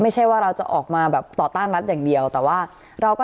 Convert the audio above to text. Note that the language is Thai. ไม่ใช่ว่าเราจะออกมาแบบต่อต้านรัฐอย่างเดียวแต่ว่าเราก็